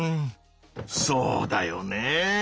そうだよねぇ！